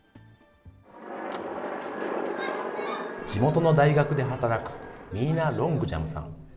地元の大学で働くミーナ・ロングジャムさん。